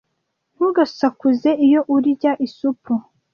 Ntugasakuze iyo urya isupu.